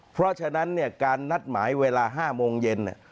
เพราะฉะนั้นการนัดหมายเวลา๕โมงเย็น